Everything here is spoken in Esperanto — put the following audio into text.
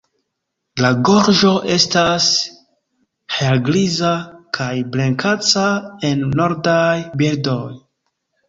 La gorĝo estas helgriza, kaj blankeca en nordaj birdoj.